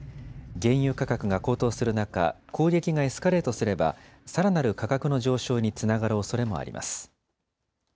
原油価格が高騰する中、攻撃がエスカレートすればさらなる価格の上昇につながるおそれもあります。